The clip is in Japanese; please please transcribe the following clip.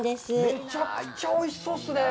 めちゃくちゃおいしそうっすねえ。